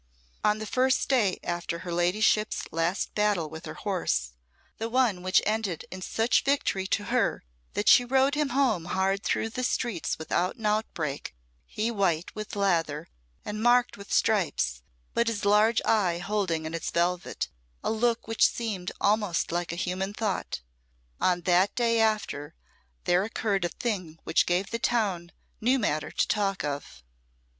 On the first day after her ladyship's last battle with her horse, the one which ended in such victory to her that she rode him home hard through the streets without an outbreak, he white with lather, and marked with stripes, but his large eye holding in its velvet a look which seemed almost like a human thought on that day after there occurred a thing which gave the town new matter to talk of.